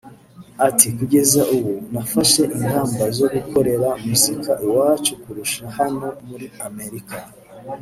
Ati “ Kugeza ubu nafashe ingamba zo gukorera muzika iwacu kurusha hano muri Amerika